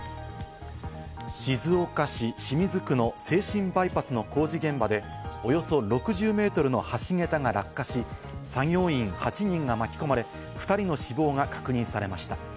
静岡市清水区の静清バイパスの工事現場でおよそ６０メートルの橋げたが落下し、作業員８人が巻き込まれ、２人の死亡が確認されました。